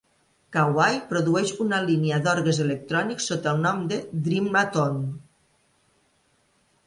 Kawai produeix una línia d'orgues electrònics sota el nom de "Dreamatone".